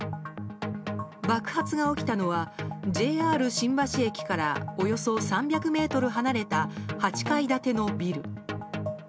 爆発が起きたのはＪＲ新橋駅からおよそ３００ｍ離れた８階建てのビル。